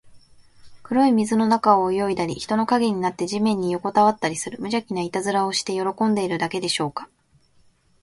黒い水の中を泳いだり、人の影になって地面によこたわったりする、むじゃきないたずらをして喜んでいるだけでしょうか。